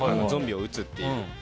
ゾンビを撃つっていう。